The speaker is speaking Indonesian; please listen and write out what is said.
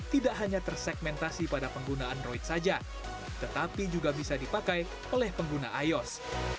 tidak hanya tersegmentasi pada pengguna android saja tetapi juga bisa dipakai oleh pengguna ios